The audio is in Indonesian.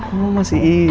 bisa cepet nggak sih rifki